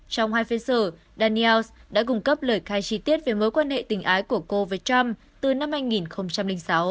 trong hai phiên sở daniels đã cung cấp lời khai chi tiết về mối quan hệ tình ái của cô với trump từ năm hai nghìn sáu